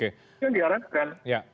itu yang diharapkan